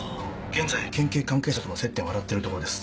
現在県警関係者との接点を洗っているところです。